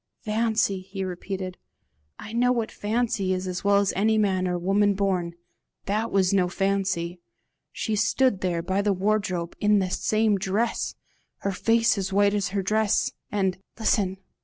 "Fancy!" he repeated; "I know what fancy is as well as any man or woman born: THAT was no fancy. She stood there, by the wardrobe in the same dress! her face as white as her dress! And listen!